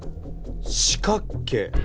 四角形？